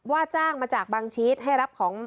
ว่าจ้างมาจากบางชีสให้รับของ